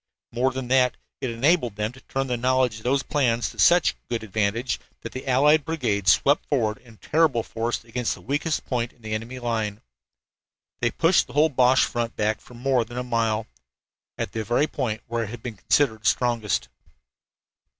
More than that, it enabled them to turn the knowledge of those plans to such good advantage that the allied brigades swept forward in terrible force against the weakest points in the enemy line. They pushed the whole Boche front back for more than a mile at the very point where it had been considered strongest!